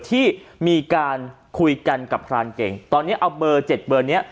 ที่มีการคุยกันกับพรานเก่งตอนนี้เอาเบอร์เจ็ดเบอร์เนี้ย